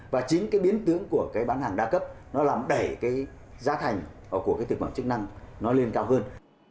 và chính cái biến tướng của cái bán hàng đa cấp nó làm đẩy cái giá thành của cái thực phẩm chức năng nó lên cao hơn